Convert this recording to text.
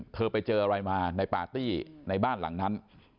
ไปเจออะไรมาในปาร์ตี้ในบ้านหลังนั้น